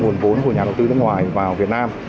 nguồn vốn của nhà đầu tư nước ngoài vào việt nam